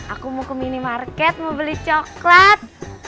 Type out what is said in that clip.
aku mau ke minimarket mau beli coklat